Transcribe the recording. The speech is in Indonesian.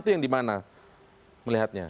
itu yang di mana melihatnya